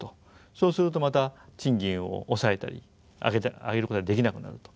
そうするとまた賃金を抑えたり上げることができなくなると。